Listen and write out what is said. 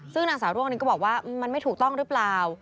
ซึ่งนางสาวร่วงหนึ่งก็บอกว่ามันไม่ถูกต้องหรือเปล่า